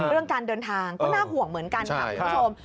เรื่องการเดินทางก็น่าห่วงเหมือนกันค่ะคุณผู้ชม